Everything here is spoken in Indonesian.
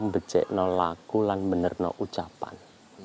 becek no laku dan bener no ucapan